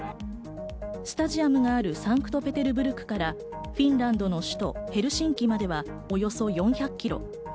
スタジアムがあるサンクトペテルブルクから、フィンランドの首都ヘルシンキまでは、およそ４００ｋｍ。